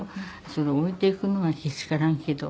そりゃ置いていくのはけしからんけど。